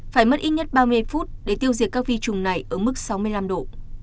phải mất ít nhất ba mươi phút để tiêu diệt các vi trùng này ở mức sáu mươi năm độ